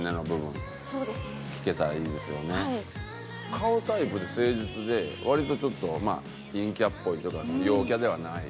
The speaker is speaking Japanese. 顔タイプで誠実で割とちょっとまあ陰キャっぽいっていうか陽キャではない。